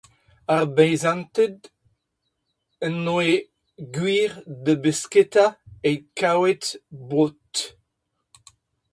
Ar beizanted o doa gwir da besketa evit kavout boued.